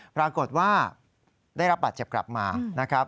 ปรากฏว่าได้รับบาดเจ็บกลับมานะครับ